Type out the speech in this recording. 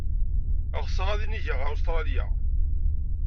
Ɣseɣ ad inigeɣ ɣer Ustṛalya.